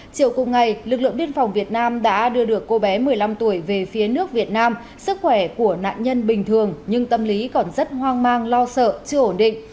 chiều cùng ngày lực lượng biên phòng việt nam đã đưa được cô bé một mươi năm tuổi về phía nước việt nam sức khỏe của nạn nhân bình thường nhưng tâm lý còn rất hoang mang lo sợ chưa ổn định